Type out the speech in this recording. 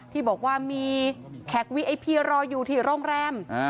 ที่บอกว่ามีแขกวีไอพีรออยู่ที่โรงแรม